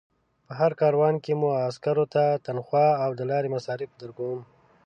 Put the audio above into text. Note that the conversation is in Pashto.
په هر کاروان کې مو عسکرو ته تنخوا او د لارې مصارف درکوم.